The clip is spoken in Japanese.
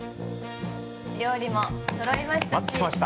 ◆料理もそろいましたし。